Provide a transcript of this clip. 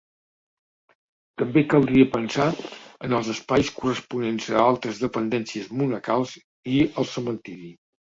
També caldria pensar en els espais corresponents a altres dependències monacals i al cementiri.